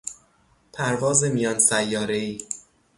پرواز میان سیارهای